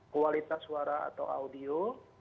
kualitas suara atau audio